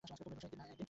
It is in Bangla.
এক দিন না এক দিন।